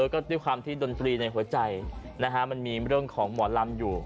ก็ด้วยความที่ดนตรีในหัวใจมันมีเรื่องของหมอลำอยู่